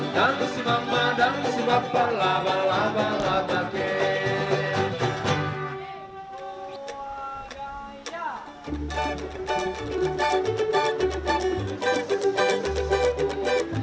danusi mama danusi bapak laba laba laba laba kek